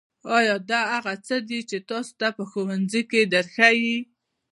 ایا دا هغه څه دي چې تاسو ته په ښوونځي کې درښیي